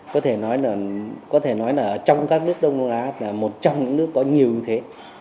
có thể nói là trong các nước đông đông á là một trong những nước có nhiều như thế